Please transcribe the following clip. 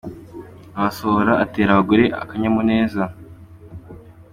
Amasohoro atera abagore akanyamuneza